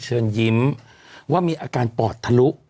เชิญยิ้มว่ามีอาการปอดทะลุ